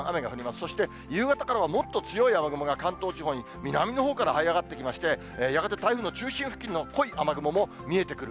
そして夕方からはもっと強い雨雲が関東地方に南のほうからはい上がってきまして、やがて台風の中心付近の濃い雨雲も見えてくる。